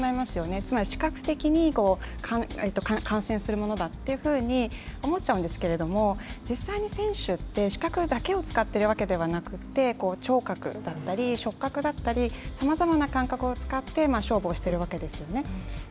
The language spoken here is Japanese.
つまり視覚的に観戦するものだと思っちゃうんですけど実際に選手視覚だけを使っているわけじゃなくて聴覚だったり触覚だったりさまざまな感覚を使って勝負をしているわけですよね。